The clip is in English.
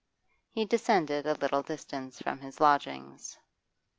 He descended a little distance from his lodgings.